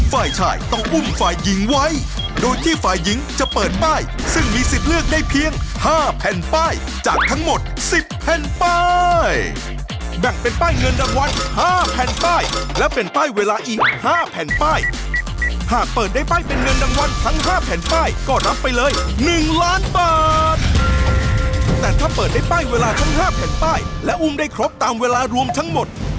ฝ่ายชายต้องอุ้มฝ่ายหญิงไว้โดยที่ฝ่ายหญิงจะเปิดป้ายซึ่งมีสิบเลือกได้เพียงห้าแผ่นป้ายจากทั้งหมดสิบแผ่นป้ายแบ่งเป็นป้ายเงินดังวันห้าแผ่นป้ายและเป็นป้ายเวลาอีกห้าแผ่นป้ายหากเปิดได้ป้ายเป็นเงินดังวันทั้งห้าแผ่นป้ายก็รับไปเลยหนึ่งล้านบาทแต่ถ้าเปิดได้ป้ายเวลาทั้ง